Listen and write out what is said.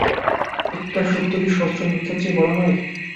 একটা সত্য কি সহস্র মিথ্যার চেয়ে বড়ো নয়?